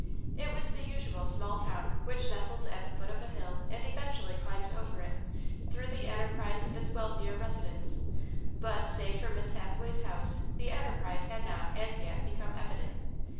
It was the usual small town, which nestles at the foot of a hill and eventually climbs over it, through the enterprise of its wealthier residents, but, save for Miss Hathaway's house, the enterprise had not, as yet, become evident.